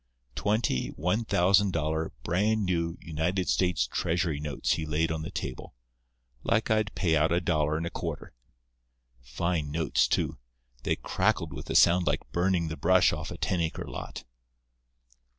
Twenty one thousand dollar brand new United States Treasury notes he laid on the table, like I'd pay out a dollar and a quarter. Fine notes, too—they crackled with a sound like burning the brush off a ten acre lot."